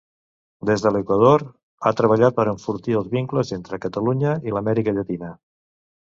Des de l’Equador ha treballat per enfortir els vincles entre Catalunya i l’Amèrica Llatina.